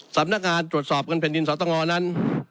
ศาลมนักงานตรวจสอบกรรมเพลินสตงนั้น